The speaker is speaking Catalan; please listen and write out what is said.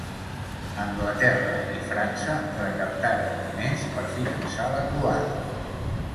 Anglaterra i França recaptaren diners per finançar la croada.